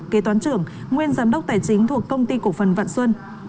kế toán trưởng nguyên giám đốc tài chính thuộc công ty cổ phần vạn xuân